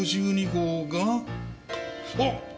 あっ！